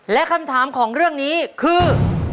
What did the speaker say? และคำถามของเรื่องนี้คือ